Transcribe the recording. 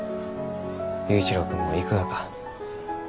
佑一郎君も行くがか。